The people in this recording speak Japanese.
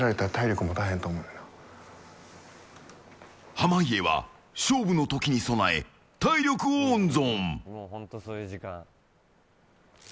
濱家は勝負の時に備え体力を温存。